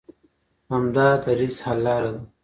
همدا دریځ حل لاره ده.